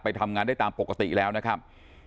ทำงานได้ตามปกติแล้วนะครับ